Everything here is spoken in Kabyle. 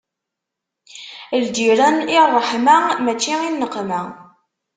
Lǧiran i ṛṛeḥma, mačči i nneqma.